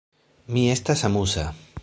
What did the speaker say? Mi estas amuza.